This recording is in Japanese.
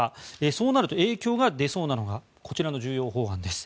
そうなると影響が出そうなのがこちらの重要法案です。